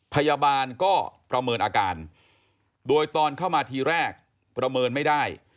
พยาบาลก็ประเมินอาการโดยตอนเข้ามาทีแรกประเมินไม่ได้